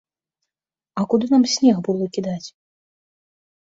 А куды нам снег было кідаць?